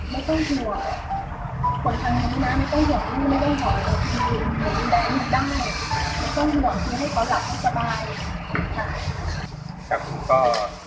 ไม่ต้องห่วงคนทางน้ำน้ำไม่ต้องห่วงคนที่ไม่ได้ห่วง